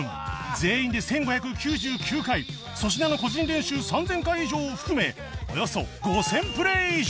全員で１５９９回粗品の個人練習３０００回以上を含めおよそ５０００プレイ以上！